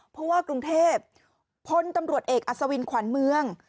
เพราะว่ากรุงเทพพลตำรวจเอกอัศวินขวัญเมือง